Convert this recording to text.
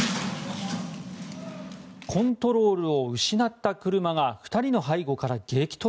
コントロールを失った車が２人の背後から激突。